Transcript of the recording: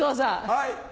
はい。